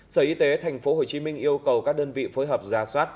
sở y tế tp hcm yêu cầu các đơn vị phối hợp ra soát